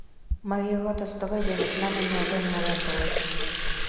Марий рота строй дене, знамям нӧлтен, мурен толеш: